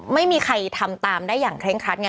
ไม่มีใครทำตามได้อย่างเคร่งครัดไง